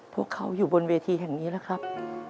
พวกเขาอยู่บนเวทีแห่งนี้แล้วครับ